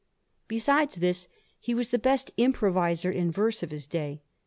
Besides this, he was the best improviser in verse of his day.